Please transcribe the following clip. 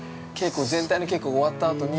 全体の稽古が終わったあとに。